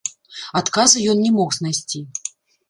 Адказу ён не мог знайсці.